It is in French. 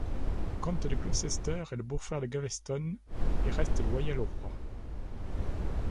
Le comte de Gloucester est le beau-frère de Gaveston et reste loyal au roi.